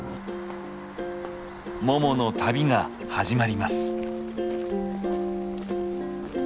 ももの旅が始まります。